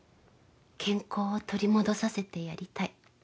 健康を取り戻させてやりたい。